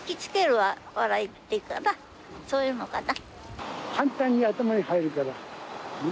そういうのかな。